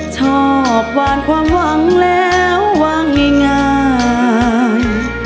ชอบหวานความหวังแล้ววางง่าย